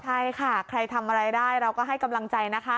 ใช่ค่ะใครทำอะไรได้เราก็ให้กำลังใจนะคะ